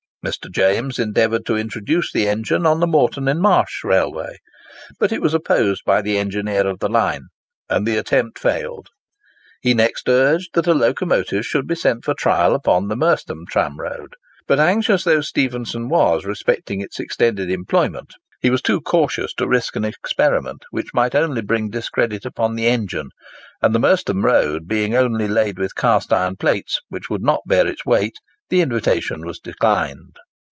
Mr. James endeavoured to introduce the engine on the Moreton on Marsh Railway; but it was opposed by the engineer of the line, and the attempt failed. He next urged that a locomotive should be sent for trial upon the Merstham tramroad; but, anxious though Stephenson was respecting its extended employment, he was too cautious to risk an experiment which might only bring discredit upon the engine; and the Merstham road being only laid with cast iron plates, which would not bear its weight, the invitation was declined.